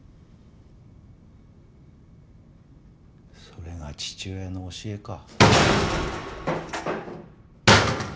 それが父親の教えか？